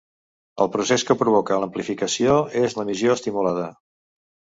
El procés que provoca l'amplificació és l'emissió estimulada.